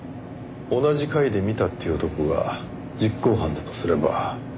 同じ階で見たっていう男が実行犯だとすれば。